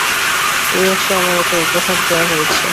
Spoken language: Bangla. এইমাত্র আমায় এটা উপহার দেয়া হয়েছে।